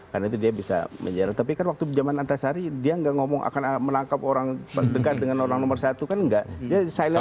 karena itu dia bisa menjelaskan tapi kan waktu zaman antasari dia nggak ngomong akan melangkap orang dekat dengan orang nomor satu kan nggak dia silent aja